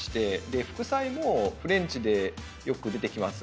で副菜もフレンチでよく出てきます